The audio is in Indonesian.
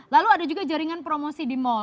lalu ada juga jaringan promosi di mall